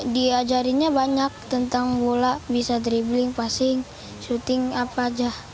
diajarinnya banyak tentang bola bisa dribbling passing syuting apa aja